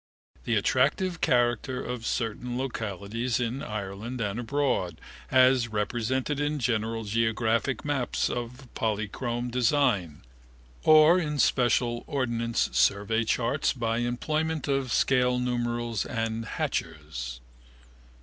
The attractive character of certain localities in Ireland and abroad, as represented in general geographical maps of polychrome design or in special ordnance survey charts by employment of scale numerals and hachures.